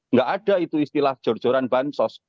nggak ada itu istilah jorjoran bansos